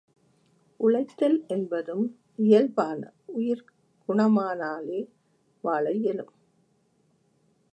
உழைத்தல் என்பதும் இயல்பான உயிர்க் குணமானாலே வாழ இயலும்.